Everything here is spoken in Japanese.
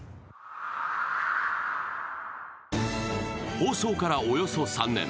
放送からおよそ３年。